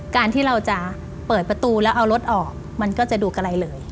การที่เราจะเปิดประตูแล้วเอารถออกมันก็จะดูไกลเลย